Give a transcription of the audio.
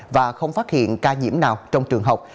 và không phát hiện ca nhiễm nào trong trường học